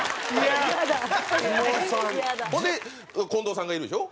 ほんで近藤さんがいるでしょ？